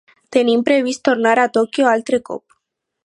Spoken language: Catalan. Tenim previst tornar a Tòquio altre cop.